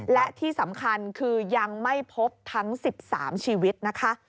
และที่สำคัญคือยังไม่พบทั้ง๑๓ชีวิตนะคะ